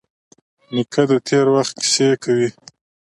نیکه د تېر وخت کیسې کوي.